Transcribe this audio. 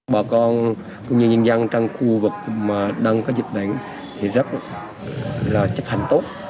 bà con cũng như nhân dân trong khu vực mà đang có dịch bệnh thì rất là chấp hành tốt